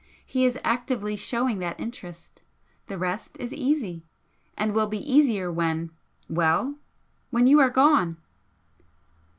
He is actively showing that interest. The rest is easy, and will be easier when well! when you are gone."